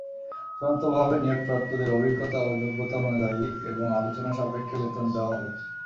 চূড়ান্তভাবে নিয়োগপ্রাপ্তদের অভিজ্ঞতা ও যোগ্যতা অনুযায়ী এবং আলোচনা সাপেক্ষে বেতন দেওয়া হবে।